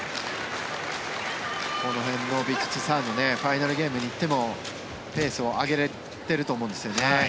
この辺のヴィチットサーンファイナルゲームに行ってもペースを上げてると思うんですよね。